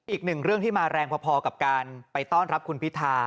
อีกหนึ่งเรื่องที่มาแรงพอกับการไปต้อนรับคุณพิธา